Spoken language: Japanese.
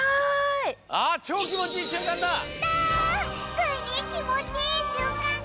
ついにきもちいいしゅんかんが！